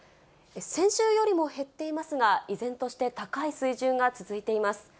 先週よりも減っていますが、依然として高い水準が続いています。